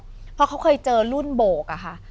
เพราะเขาเคยเจอรุ่นโบกอะค่ะ